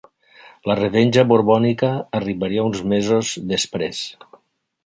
La revenja borbònica arribaria uns mesos després.